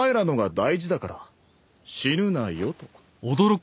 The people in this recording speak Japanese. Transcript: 死ぬなよと。